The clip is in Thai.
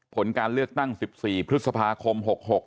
ผลการเลือกตั้ง๑๔พฤษภาคม๖๖